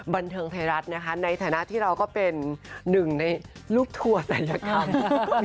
บันเทิงไทยรัฐนะคะในฐานะที่เราก็เป็นหนึ่งในลูกทัวร์ศัลยกรรม